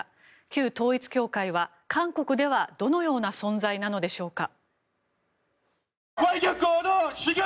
旧統一教会は韓国ではどのような存在なのでしょうか。